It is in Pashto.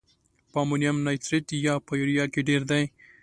په امونیم نایتریت یا په یوریا کې ډیر دی؟